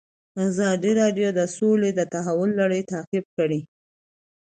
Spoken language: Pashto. ازادي راډیو د سوله د تحول لړۍ تعقیب کړې.